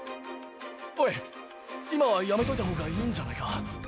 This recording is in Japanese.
今はやめといたほうがいいんじゃないか？